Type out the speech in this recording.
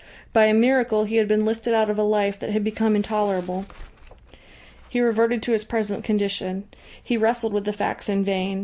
By a miracle he had been lifted out of a life that had become intolerable.... He reverted to his present condition. He wrestled with the facts in vain.